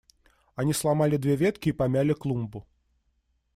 Они сломали две ветки и помяли клумбу.